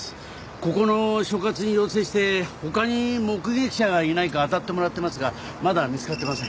ここの所轄に要請して他に目撃者がいないか当たってもらってますがまだ見つかってません。